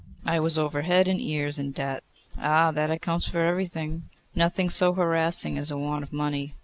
I was over head and ears in debt.' 'Ah! that accounts for everything. Nothing so harassing as a want of money!